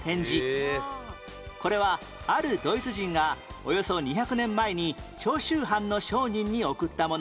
これはあるドイツ人がおよそ２００年前に長州藩の商人に贈ったもの